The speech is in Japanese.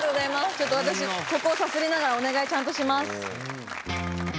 ちょっと私ここをさすりながらお願いちゃんとします。